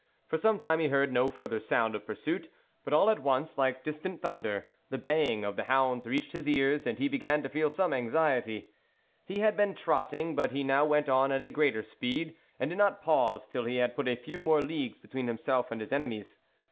For some time he heard no further sound of pursuit ; but, all at once, like distant thunder, the baying of the hounds reached his ears, and he began to feel some anxiety. He had been trotting, but he now went on at greater speed, and did not pause till he had put a few more leagues between himself and his enemies.